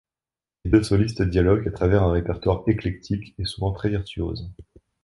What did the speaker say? Les deux solistes dialoguent à travers un répertoire éclectique et souvent très virtuose.